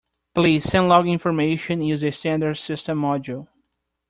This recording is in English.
Please send log information using the standard system module.